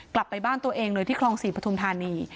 กลับไปบ้านตัวเองเลยที่คลอง๔ปทุมธานี